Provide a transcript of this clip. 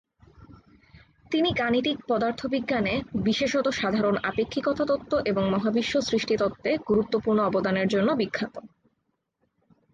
তিনি গাণিতিক পদার্থবিজ্ঞানে, বিশেষত সাধারণ আপেক্ষিকতা তত্ত্ব এবং মহাবিশ্ব-সৃষ্টি তত্ত্বে গুরুত্বপূর্ণ অবদানের জন্যে বিখ্যাত।